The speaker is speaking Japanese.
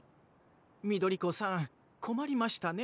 ミドリコさんこまりましたね。